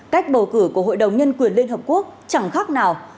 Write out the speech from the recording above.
cách bầu cử của hội đồng nhân quyền liên hợp quốc chẳng khác nào